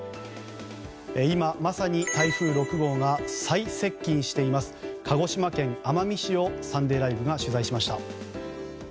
今まさに台風６号が最接近しています鹿児島県奄美市を「サンデーＬＩＶＥ！！」が取材しました。